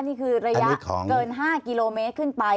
นี่คือระยะเกิน๕กิโลเมตรขึ้นไป